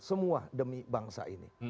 semua demi bangsa ini